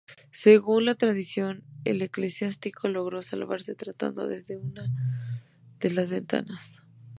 Según la tradición, el eclesiástico logró salvarse saltando desde una de las ventanas.